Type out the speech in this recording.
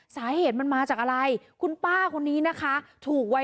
สาเหตุมันมาจากอะไรคุณป้าคนนี้นะคะถูกวัย